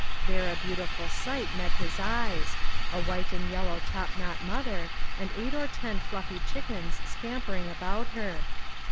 There a beautiful sight met his eyes ; a white and yellow topknot mother, and eight or ten fluffy chickens scampering about her.